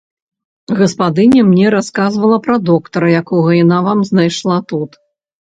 Гаспадыня мне расказвала пра доктара, якога яна вам знайшла тут.